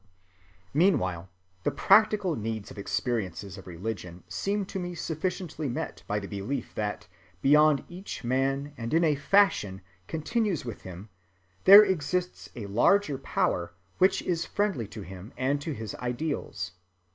Meanwhile the practical needs and experiences of religion seem to me sufficiently met by the belief that beyond each man and in a fashion continuous with him there exists a larger power which is friendly to him and to his ideals.